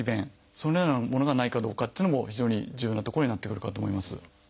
そのようなものがないかどうかというのも非常に重要なところになってくるかと思います。